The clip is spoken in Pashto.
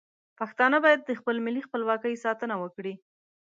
پښتانه باید د خپل ملي خپلواکۍ ساتنه وکړي.